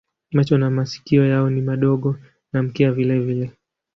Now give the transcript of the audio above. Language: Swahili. Macho na masikio yao ni madogo na mkia vilevile.